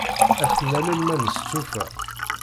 Ad t-nalel ma nestufa.